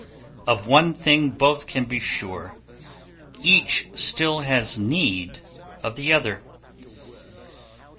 Of one thing both can be sure: each still has need of the other.